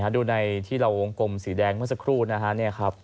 ดูในที่เราวงกลมสีแดงเมื่อสักครู่นะครับ